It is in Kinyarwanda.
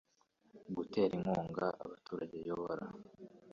gutera inkunga abaturage ayobora